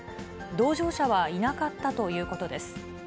同乗者はいなかったということです。